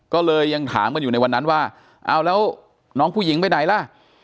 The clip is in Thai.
ก็เลยยังถามกันอยู่ในวันนั้นว่าเอาแล้วน้องผู้หญิงไปไหนล่ะ